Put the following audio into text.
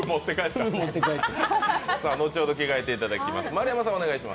後ほど着替えていただきます。